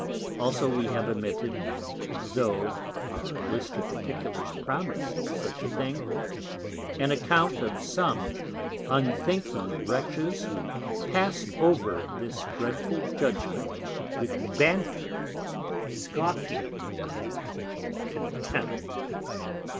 Also we have omitted, tho' our List of Particulars promis'd such a thing, An Account of some unthinking Wretches, who pass'd over this dreadful Judgment with Banter, Scoffing, and Contempt.